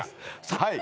はい